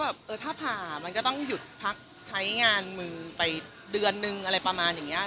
เออถ้าผ่ามันก็ต้องหยุดพักใช้งานมึงไปเดือนนึงอะไรประมาณอย่างนี้